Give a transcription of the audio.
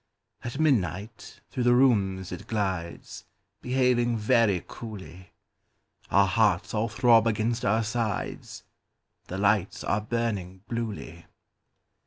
At midnight through the rooms It glides, Behaving very coolly, Our hearts all throb against our sides—The lights are burning bluely.